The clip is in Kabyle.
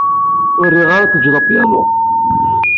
Ur riɣ ara ad tejjed apyanu.